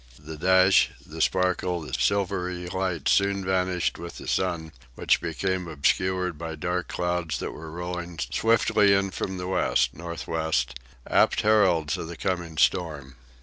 The dash, the sparkle, the silvery light soon vanished with the sun, which became obscured by black clouds that were rolling swiftly in from the west, northwest; apt heralds of the coming storm.